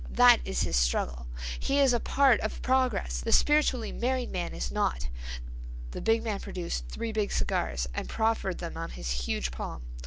That is his struggle. He is a part of progress—the spiritually married man is not." The big man produced three big cigars, and proffered them on his huge palm.